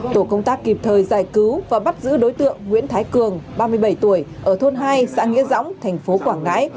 tổ công tác kịp thời giải cứu và bắt giữ đối tượng nguyễn thái cường ba mươi bảy tuổi ở thôn hai xã nghĩa dõng thành phố quảng ngãi